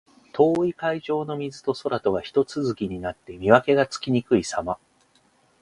遠い海上の水と空とがひと続きになって、見分けがつきにくいさま。